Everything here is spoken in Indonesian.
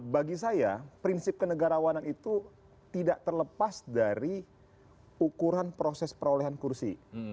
bagi saya prinsip kenegarawanan itu tidak terlepas dari ukuran proses perolehan kursi